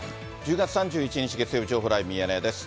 １０月３１日月曜日、情報ライブミヤネ屋です。